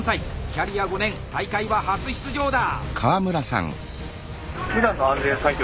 キャリア５年大会は初出場だ！